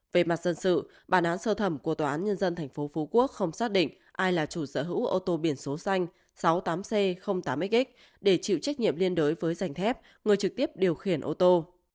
về mặt dân sự bản án sơ thẩm của tòa án nhân dân tp phú quốc không xác định ai là chủ sở hữu ô tô biển số xanh sáu mươi tám c tám x để chịu trách nhiệm liên đối với danh thép người trực tiếp điều khiển ô tô